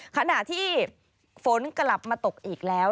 ขณะที่ฝนกลับมาตกอีกแล้ว